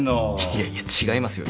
いやいや違いますよ。